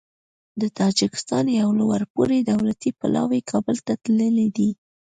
د تاجکستان یو لوړپوړی دولتي پلاوی کابل ته تللی دی.